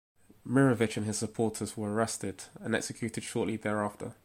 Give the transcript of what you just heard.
Mirovich and his supporters were arrested and executed shortly thereafter.